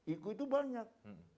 iku itu banyak